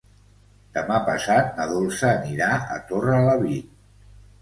Demà passat na Dolça anirà a Torrelavit.